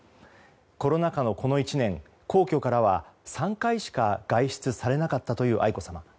コロナ禍のこの１年皇居からは３回しか外出されなかったという愛子さま。